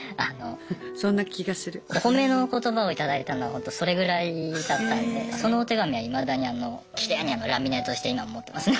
お褒めの言葉を頂いたのはほんとそれぐらいだったのでそのお手紙はいまだにあのきれいにラミネートして今も持ってますね。